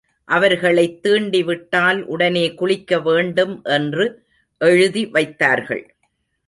அவர்களைத் தீண்டிவிட்டால் உடனே குளிக்க வேண்டும் என்று எழுதி வைத்தார்கள்.